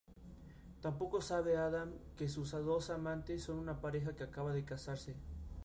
Tampoco sabe Adam que sus dos amantes son una pareja que acaba de casarse.